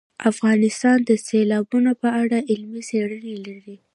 افغانستان د سیلابونه په اړه علمي څېړنې لري.